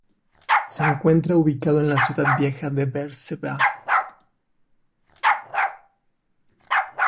Se encuentra ubicado en la Ciudad Vieja de Beerseba.